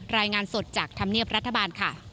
รายงานสดจากธรรมเนียบรัฐบาลค่ะ